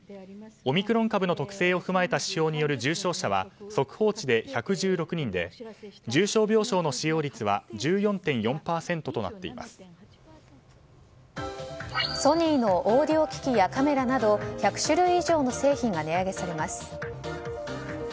オミクロン株の特性を踏まえた指標による重症者は速報値で１１６人で重症病床の使用率はソニーのオーディオ機器やカメラなど１００種類以上の商品が値上げされます。